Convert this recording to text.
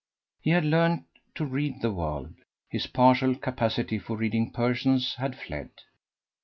He had learned to read the world: his partial capacity for reading persons had fled.